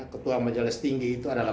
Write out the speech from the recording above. ketua majelis tinggi itu adalah